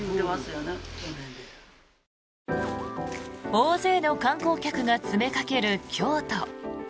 大勢の観光客が詰めかける京都。